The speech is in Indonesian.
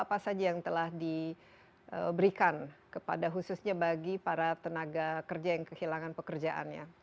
apa saja yang telah diberikan kepada khususnya bagi para tenaga kerja yang kehilangan pekerjaannya